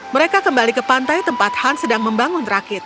mereka kembali ke pantai tempat han sedang membangun rakit